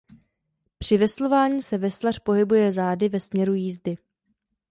Při veslování se veslař pohybuje zády ve směru jízdy.